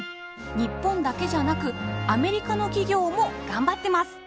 日本だけじゃなくアメリカの企業も頑張ってます。